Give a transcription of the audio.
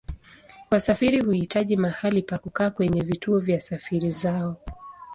Wasafiri huhitaji mahali pa kukaa kwenye vituo vya safari zao.